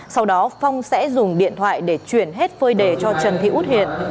sau đó phong sẽ dùng điện thoại để chuyển hết phơi đề cho trần thị út hiền